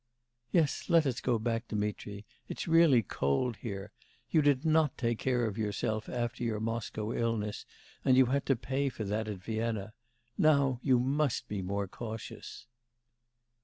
'Yes, let us go back, Dmitri. It's really cold here. You did not take care of yourself after your Moscow illness, and you had to pay for that at Vienna. Now you must be more cautious.